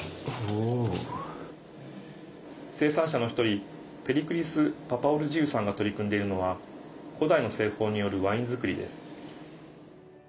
生産者の１人ペリクリス・パパオルジウさんが取り組んでいるのは古代の製法によるワイン造りです。